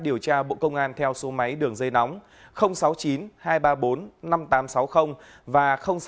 điều tra bộ công an theo số máy đường dây nóng sáu mươi chín hai trăm ba mươi bốn năm nghìn tám trăm sáu mươi và sáu mươi chín hai trăm ba mươi hai một nghìn sáu trăm bảy